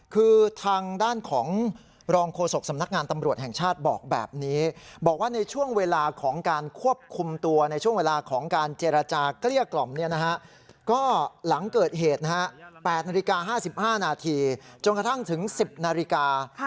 ก็หลังเกิดเหตุนะฮะ๘นาฬิกา๕๕นาทีจนกระทั่งถึง๑๐นาฬิกา